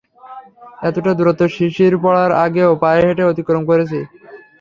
এতোটা দূরত্ব শিশির পড়ার আগেও পায়ে হেঁটে অতিক্রম করেছি!